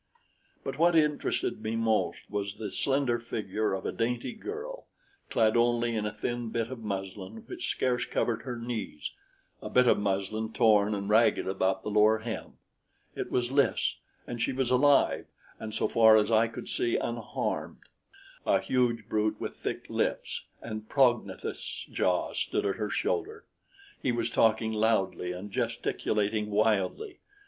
But what interested me most was the slender figure of a dainty girl, clad only in a thin bit of muslin which scarce covered her knees a bit of muslin torn and ragged about the lower hem. It was Lys, and she was alive and so far as I could see, unharmed. A huge brute with thick lips and prognathous jaw stood at her shoulder. He was talking loudly and gesticulating wildly.